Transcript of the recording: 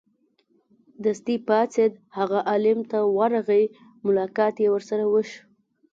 دستې پاڅېد هغه عالم ت ورغی ملاقات یې ورسره وشو.